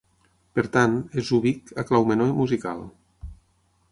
Per tant, és ubic a clau menor musical.